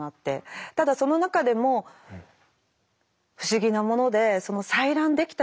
ただその中でも不思議なもので採卵できた喜びがあるんですよ。